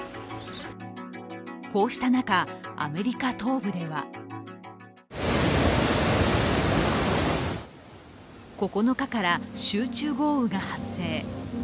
こうした中、アメリカ東部では９日から集中豪雨が発生。